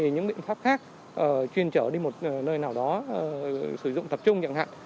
những biện pháp khác chuyên trở đi một nơi nào đó sử dụng tập trung chẳng hạn